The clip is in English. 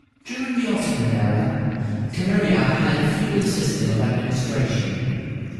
During the Ottoman era, Chameria had a feudal system of administration.